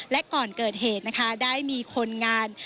และก่อนเกิดเหตุนะคะได้มีคนงาน